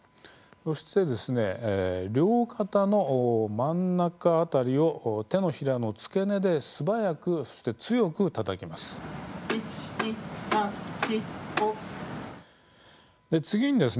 そして、両肩の真ん中辺りを手のひらの付け根で素早くそして強くたたきます。